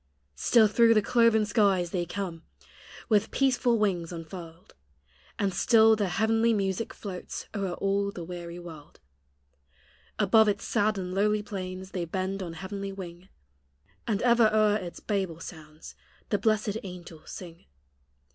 Still through the cloven skies they come, With peaceful wings unfurled; And still their heavenly music floats O'er all the weary world: Above its sad and lowly plains They bend on heavenly wing, THE hl\ I \/: ELEMENT. 49 And ever o'er its Babel sounds The blessed angels sing.